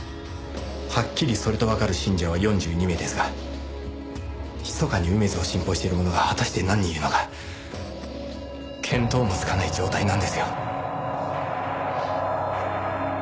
はっきりそれとわかる信者は４２名ですがひそかに梅津を信奉している者が果たして何人いるのか見当もつかない状態なんですよ。